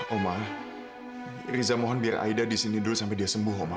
umar riza mohon biar aida disini dulu sampai dia sembuh umar